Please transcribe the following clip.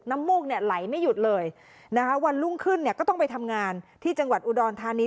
มูกเนี่ยไหลไม่หยุดเลยนะคะวันรุ่งขึ้นเนี่ยก็ต้องไปทำงานที่จังหวัดอุดรธานี